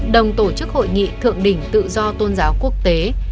đồng tổ chức hội nghị thượng đỉnh tự do tôn giáo quốc tế